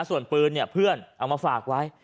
ส่วนปืนเนี่ยเพื่อนเอามาฝากไว้